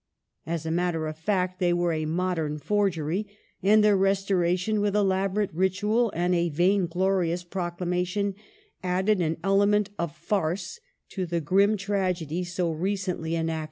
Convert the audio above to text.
As a matter of fact they were a " modem forgery," ^ and their restoration with elaborate ritual and a vain glorious proclamation added an element of farce to the grim tragedy so recently enacted.